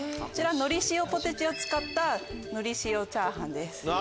のり塩ポテチを使ったのり塩チャーハンです。